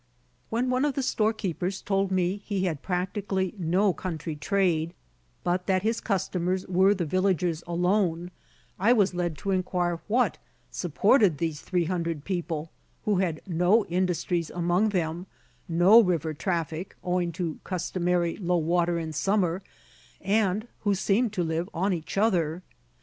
When one of the store keepers told me he had practically no country trade, but that his customers were the villagers alone, I was led to inquire what supported these three hundred people, who had no industries among them, no river traffic, owing to customary low water in summer, and who seemed to live on each other.